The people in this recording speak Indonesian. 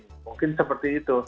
mungkin seperti itu